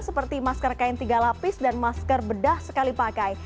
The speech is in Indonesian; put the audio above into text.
seperti masker kain tiga lapis dan masker bedah sekali pakai